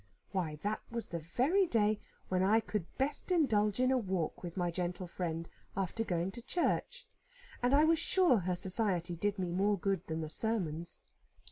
Why, that was the very day when I could best indulge in a walk with my gentle friend, after going to church; and I was sure her society did me more good than the sermons.